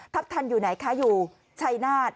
ทันอยู่ไหนคะอยู่ชัยนาฏ